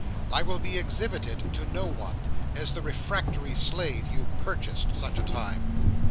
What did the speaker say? I will be exhibited to no one, as the refractory slave you purchased, such a time.